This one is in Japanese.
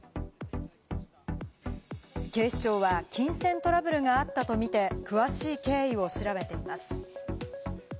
警視庁は金銭トラブルがあったとみて詳しい経緯を調べています。